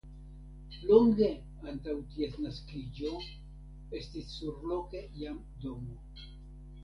Longe antaŭ ties naskiĝo estis surloke jam domo.